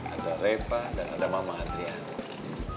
ada reva dan ada mama adrian